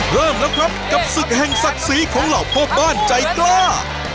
เริ่มแล้วครับกับศึกแห่งศักดิ์ศรีของเหล่าพ่อบ้านใจกล้า